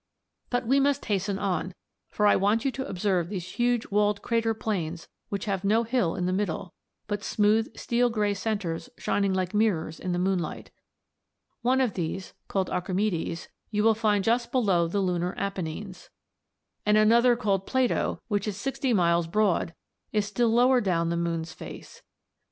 ] "But we must hasten on, for I want you to observe those huge walled crater plains which have no hill in the middle, but smooth steel grey centres shining like mirrors in the moonlight. One of these, called Archimedes, you will find just below the Lunar Apennines (Figs. 3 and 7), and another called Plato, which is sixty miles broad, is still lower down the moon's face (Figs.